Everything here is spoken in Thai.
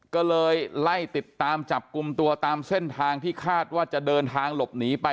ก็เลยไล่ติดตามจับกลุ่มตัวตามเส้นทางที่คาดว่าจะเดินทางหลบหนีไป